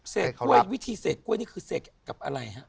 กล้วยวิธีเสกกล้วยนี่คือเสกกับอะไรฮะ